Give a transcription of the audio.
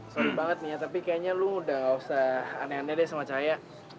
sorry banget nih ya tapi kayaknya lu udah gak usah aneh aneh deh sama saya